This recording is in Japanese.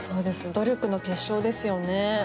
努力の結晶ですよね。